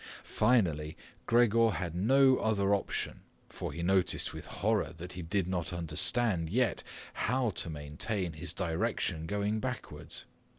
Finally Gregor had no other option, for he noticed with horror that he did not understand yet how to maintain his direction going backwards.